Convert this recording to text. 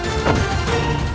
jangan lupa untuk berhenti